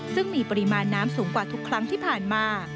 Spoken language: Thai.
ซึ่งมีปริมาณน้ำสูงกว่าทุกครั้งที่ผ่านมา